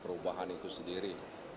perubahan itu sendiri